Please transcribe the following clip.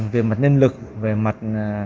về mặt nhân lực về mặt